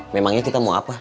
memangnya kita mau apa